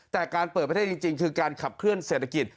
แต่การเปิดประเทศจริงคือการขับเคลื่อนเศรษฐกิจ